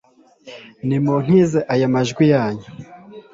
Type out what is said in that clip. nimuntize ayo majwi yanyu